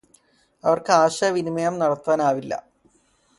അവര്ക്ക് ആശയവിനിമയം നടത്താനാവില്ല